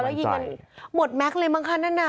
แล้วยิงกันหมดแม็กซ์เลยมั้งคะนั่นน่ะ